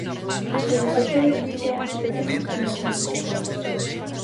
Desde o sector din que é unha situación inasumible, Mónica.